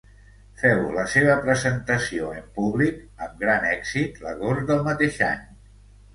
Féu la seva presentació en públic, amb gran èxit, l'agost del mateix any.